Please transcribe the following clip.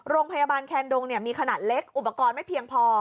โรงพยาบาลแคนดงมีขนาดเล็กอุปกรณ์ไม่เพียงพอ